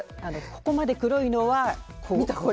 ここまで黒いのは。